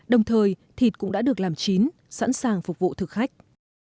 đồng thời thịt cũng đã được làm chín sẵn sàng phục vụ thực khách